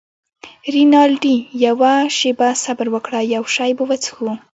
رینالډي: یوه شیبه صبر وکړه، یو شی به وڅښو.